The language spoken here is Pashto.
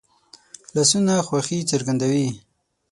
لاسونه خوښي څرګندوي